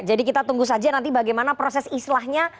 jadi kita tunggu saja nanti bagaimana proses islahnya